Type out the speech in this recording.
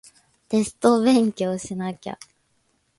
テスト勉強しなきゃ